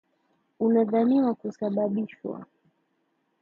Unadhaniwa kusababishwa